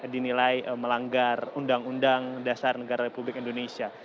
dinilai melanggar undang undang dasar negara republik indonesia